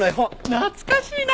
懐かしいな。